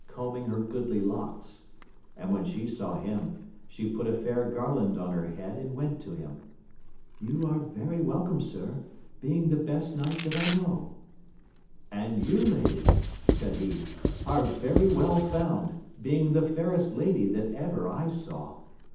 ai combing her goodly locks ; and when she saw him, she put a fair garland on her head and went to him ; You are very welcome, sir, being the best knight that I know ; And you, lady, said he, are very well found, being the fairest lady that ever I saw.